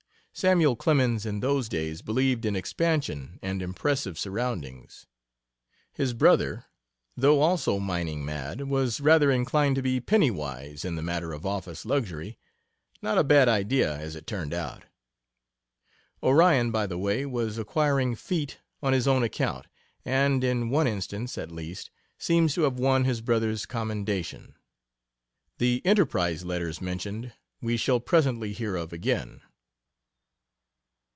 Samuel Clemens in those days believed in expansion and impressive surroundings. His brother, though also mining mad, was rather inclined to be penny wise in the matter of office luxury not a bad idea, as it turned out. Orion, by the way, was acquiring "feet" on his own account, and in one instance, at least, seems to have won his brother's commendation. The 'Enterprise' letters mentioned we shall presently hear of again.